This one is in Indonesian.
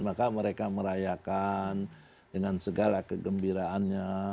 maka mereka merayakan dengan segala kegembiraannya